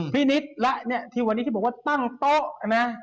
นิดและเนี่ยที่วันนี้ที่บอกว่าตั้งโต๊ะนะ